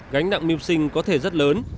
gánh nặng miệng sinh có thể rất lớn